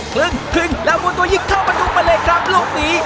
พึ่งพึ่งแล้วมันตัวยิกเข้ามาดูเบลกครับลูกหนี